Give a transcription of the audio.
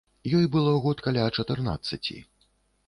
Ёй было год каля чатырнаццаці.